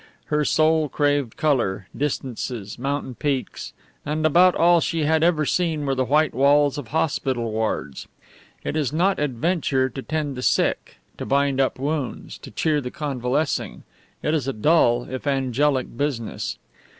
Her soul craved colour, distances, mountain peaks; and about all she had ever seen were the white walls of hospital wards. It is not adventure to tend the sick, to bind up wounds, to cheer the convalescing; it is a dull if angelic business.